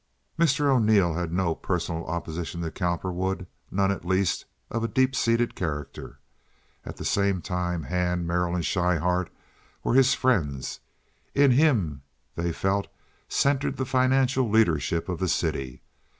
Mr. Arneel had no personal opposition to Cowperwood—none, at least, of a deep seated character. At the same time Hand, Merrill, and Schryhart were his friends. In him, they felt, centered the financial leadership of the city.